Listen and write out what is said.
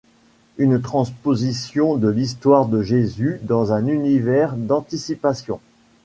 Une transposition de l'histoire de Jésus dans un univers d'anticipation.